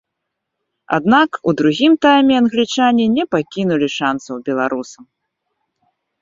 Аднак у другім тайме англічане не пакінулі шанцаў беларусам.